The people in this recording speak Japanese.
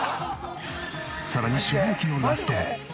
さらに衝撃のラストも。